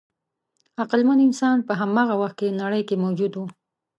عقلمن انسان په هماغه وخت کې نړۍ کې موجود و.